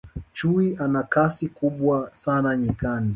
chui ana Kasi kubwa sana nyikani